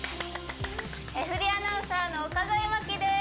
フリーアナウンサーの岡副麻希です